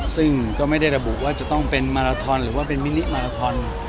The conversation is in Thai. ซึ่งก็ไม่ได้ระบุว่าจะต้องเป็นมาลาทอนหรือว่าเป็นมินิมาราทอน